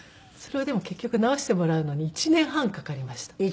それはでも結局直してもらうのに１年半かかりました。